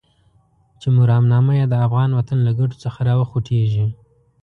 چې مرامنامه يې د افغان وطن له ګټو څخه راوخوټېږي.